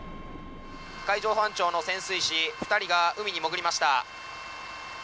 海上保安庁の潜水士２人が海に潜りました。